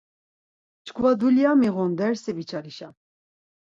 Çkva dulya miğun, dersi viçalişam.